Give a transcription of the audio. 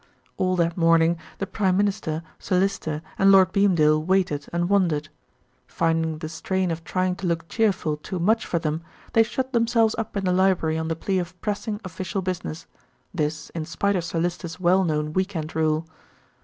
All that morning the Prime Minister, Sir Lyster, and Lord Beamdale waited and wondered. Finding the strain of trying to look cheerful too much for them, they shut themselves up in the library on the plea of pressing official business; this, in spite of Sir Lyster's well known week end rule.